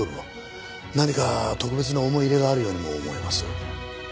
何か特別な思い入れがあるようにも思えます。